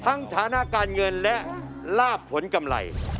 ทั้งฐานาการเงินและราบผลกำไร